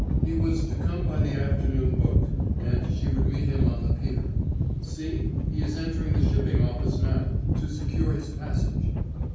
He was to come by the afternoon boat, and she would meet him on the pier. See, he is entering the shipping office now, to secure his passage."